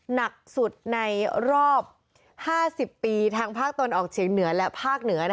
หนักสุดในรอบ๕๐ปีทางภาคตะวันออกเฉียงเหนือและภาคเหนือ